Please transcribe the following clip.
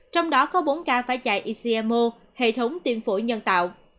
trong đó có bốn ca phải chạy icmo hệ thống tiêm phổi nhân tạo